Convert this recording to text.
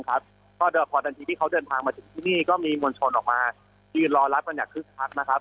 ก็พอทันทีที่เขาเดินทางมาถึงที่นี่ก็มีมวลชนออกมายืนรอรับกันอย่างคึกคักนะครับ